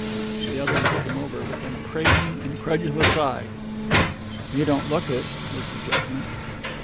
The other looked him over with an appraising, incredulous eye. "You don't look it," was the judgment.